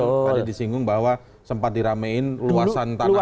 tadi disinggung bahwa sempat diramein luasan tanah